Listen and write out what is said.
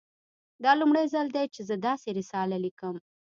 دا لومړی ځل دی چې زه داسې رساله لیکم